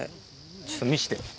ちょっと見せて。